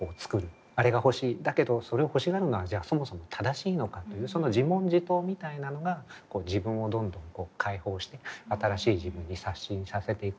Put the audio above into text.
あれが欲しいだけどそれを欲しがるのはじゃあそもそも正しいのかというその自問自答みたいなのが自分をどんどん解放して新しい自分に刷新させていくことになるんじゃないか。